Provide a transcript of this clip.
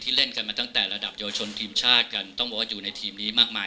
เล่นกันมาตั้งแต่ระดับเยาวชนทีมชาติกันต้องบอกว่าอยู่ในทีมนี้มากมาย